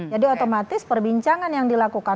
jadi otomatis perbincangan yang dilakukan